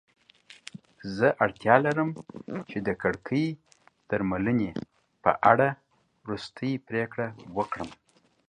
زه اړتیا لرم چې د کړکۍ درملنې په اړه وروستۍ پریکړه وکړم.